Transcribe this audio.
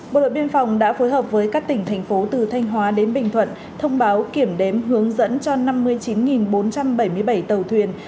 bộ đội biên phòng đã phối hợp với các tỉnh thành phố từ thanh hóa đến bình thuận thông báo kiểm đếm hướng dẫn cho năm mươi chín bốn trăm bảy mươi bảy tàu thuyền